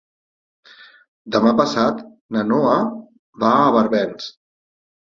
Demà passat na Noa va a Barbens.